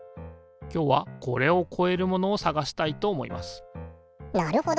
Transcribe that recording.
今日はこれをこえるものを探したいと思いますなるほど。